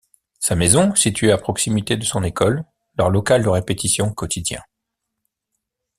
Sa maison, située à proximité de son école, leur local de répétition quotidien.